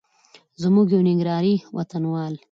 زموږ یو ننګرهاري وطنوال